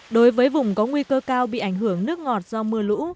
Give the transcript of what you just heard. đối với vùng có nguy cơ cao bị ảnh hưởng nước ngọt do mưa lũ